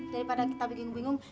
daripada kita bikin bingung